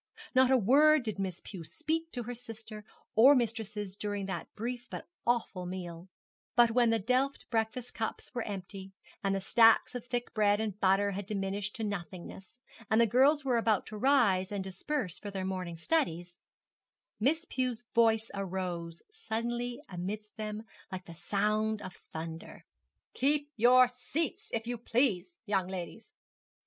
Not a word did Miss Pew speak to sister or mistresses during that brief but awful meal; but when the delft breakfast cups were empty, and the stacks of thick bread and butter had diminished to nothingness, and the girls were about to rise and disperse for their morning studies, Miss Pew's voice arose suddenly amidst them like the sound of thunder. 'Keep your seats, if you please, young ladies.